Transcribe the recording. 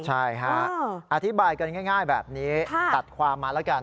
ใช่ฮะอธิบายกันง่ายแบบนี้ตัดความมาแล้วกัน